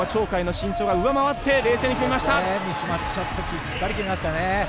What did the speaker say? しっかり決めましたね。